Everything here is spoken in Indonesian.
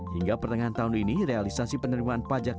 hingga pertengahan tahun ini realisasi penerimaan pajak